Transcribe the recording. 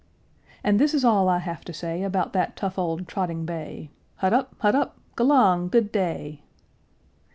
And this is all I have to say About that tough old trotting bay. Huddup! Huddup! G'lang! Good day!